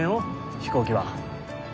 飛行機は。